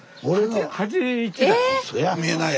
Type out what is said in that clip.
はい。